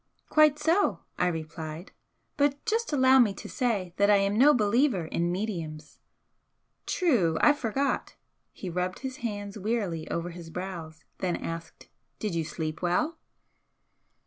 "Quite so" I replied "but just allow me to say that I am no believer in 'mediums.'" "True, I forgot!" He rubbed his hand wearily over his brows then asked "Did you sleep well?"